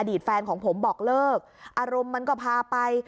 ตแฟนของผมบอกเลิกอารมณ์มันก็พาไป